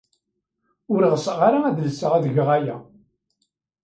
Ur ɣseɣ ara ad alseɣ ad geɣ aya.